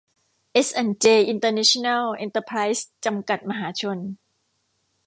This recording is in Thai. เอส แอนด์ เจ อินเตอร์เนชั่นแนล เอนเตอร์ไพรส์ จำกัด มหาชน